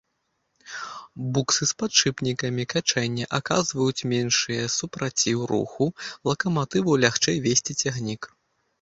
Буксы з падшыпнікамі качэння аказваюць меншае супраціў руху, лакаматыву лягчэй везці цягнік.